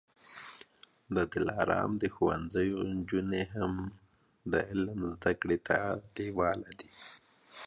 د دلارام د ښوونځیو نجوني هم د علم زده کړې ته لېواله دي.